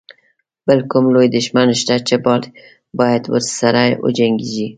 بل کوم لوی دښمن شته چې باید ورسره وجنګيږي.